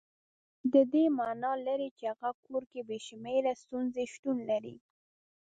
د دې معنا لري چې هغه کور کې بې شمېره ستونزې شتون لري.